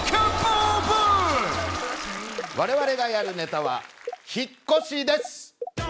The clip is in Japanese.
我々がやるネタは「引っ越し」です